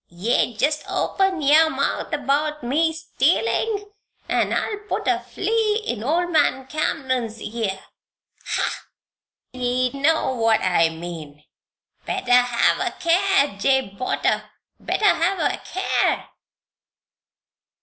Yeou jest open yer mouth about me stealin' an' I'll put a flea in old man Cameron's ear. Ha! Ye know what I mean. Better hev a care, Jabe Potter better hev a care!"